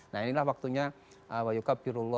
nah inilah waktunya